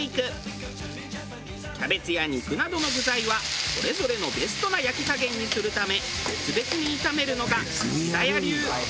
キャベツや肉などの具材はそれぞれのベストな焼き加減にするため別々に炒めるのが石田屋流。